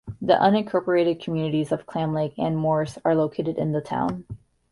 The unincorporated communities of Clam Lake and Morse are located in the town.